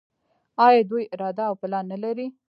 آیا دوی اراده او پلان نلري؟